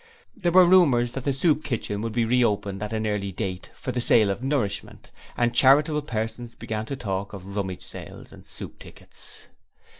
There were rumours that the Soup Kitchen would be reopened at an early date for the sale of 'nourishment', and charitable persons began to talk of Rummage Sales and soup tickets.